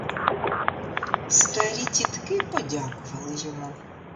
Старі тітки подякували йому.